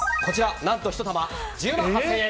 何と１玉１０万８０００円。